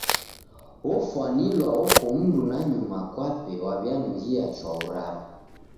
Ofwanilwa oko mndu nanyuma kwape waw'ianughia chwau rape.